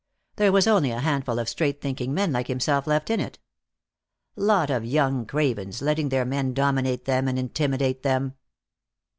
There was only a handful of straight thinking men like himself left in it. Lot of young cravens, letting their men dominate them and intimidate them.